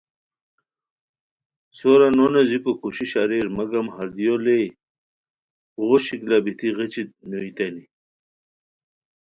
سورا نو نیزیکو کوشش اریر مگم ہردیو لیے اوغو شکلہ بیتی غیچی نوئیتانی